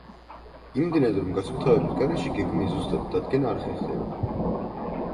იმდენად, რომ გასუფთავების გარეშე გეგმის ზუსტად დადგენა არ ხერხდება.